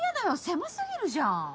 狭すぎるじゃん！